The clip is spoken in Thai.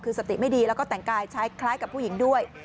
คือสติไม่ดีแล้วก็แต่งกายใช้คล้ายกับผู้หญิงด้วย